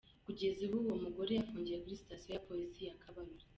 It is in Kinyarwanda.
Kugeza ubu uwo mugore afungiye kuri sitasiyo ya polisi ya Kabarore.